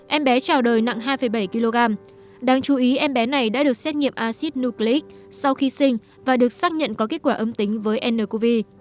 em bé trào đời nặng hai bảy kg đáng chú ý em bé này đã được xét nghiệm acid nucleic sau khi sinh và được xác nhận có kết quả âm tính với ncov